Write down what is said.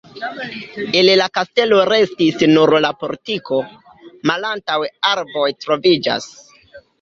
El la kastelo restis nur la portiko, malantaŭe arboj troviĝas.